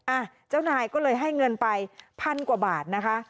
อ่ะเจ้านายก็เลยให้เงินไปพันกว่าบาทนะคะ